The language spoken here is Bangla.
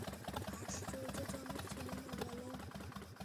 আশ্চর্যজনক ছিলো না বলো!